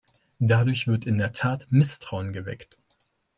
Dadurch wird in der Tat Misstrauen geweckt.